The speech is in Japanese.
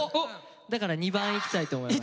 だから２番いきたいと思います。